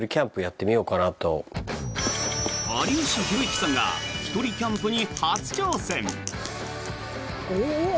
有吉弘行さんが一人キャンプに初挑戦！